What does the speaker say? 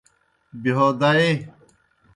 بہیو دائے۔